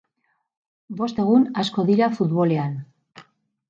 Bost egun asko dira futbolean.